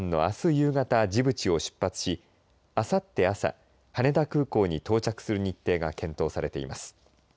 夕方ジブチを出発しあさって朝羽田空港に到着する日程が検討されています。